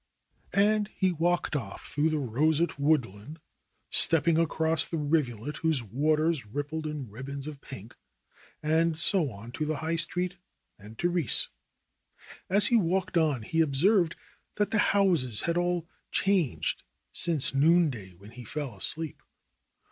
And he walked off through the roseate woodland, step ping across the rivulet whose waters rippled in ribbons of pink, and so on to the High Street and Therese. As he walked on he observed that the houses had all changed since noonday, when he fell asleep.